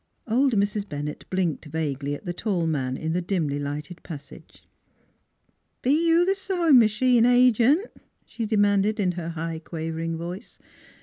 Old Mrs. Bennett blinked vaguely at the tall man in the dimly lighted passage. "Be you the sewin' m'chine agent?" she de "7 n8 NEIGHBORS manded, in her high quavering voice.